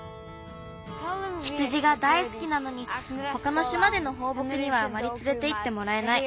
羊がだいすきなのにほかのしまでのほうぼくにはあまりつれていってもらえない。